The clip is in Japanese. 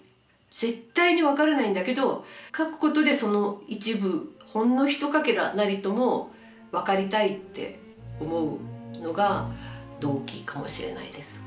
絶対に分からないんだけど書くことでその一部ほんのひとかけらなりとも分かりたいって思うのが動機かもしれないです。